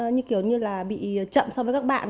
như kiểu như là bị chậm so với các bạn